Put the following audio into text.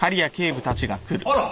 あら！